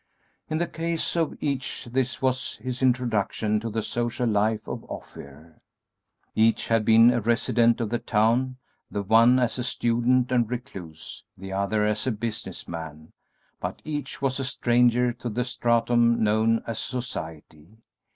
In the case of each this was his introduction to the social life of Ophir. Each had been a resident of the town, the one as a student and recluse, the other as a business man, but each was a stranger to the stratum known as society.